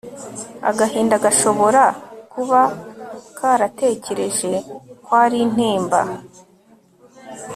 Agahinda gashobora kuba karatekereje ko ari intimba